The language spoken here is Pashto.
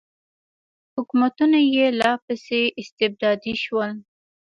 حکومتونه یې لا پسې استبدادي شول.